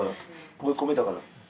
追い込めたから。